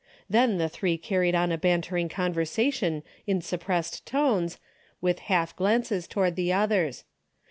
Then the three carried on a bantering conversation in sup pressed tones, with half glances toward the others.